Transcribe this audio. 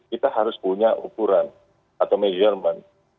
kita harus punya ukuran atau measurement